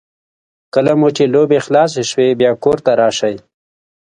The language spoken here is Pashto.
کله مو چې لوبې خلاصې شوې بیا کور ته راشئ.